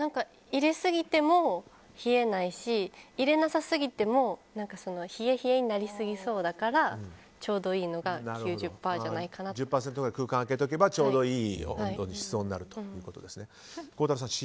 入れすぎても冷えないし入れなさすぎても冷え冷えになりすぎそうだからちょうどいいのが１０％くらい空間を空けておけば、ちょうどいい温度になるということですね。